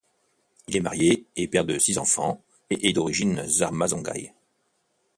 Il est marié et père de six enfants et est d'origine zarma-Songhaï.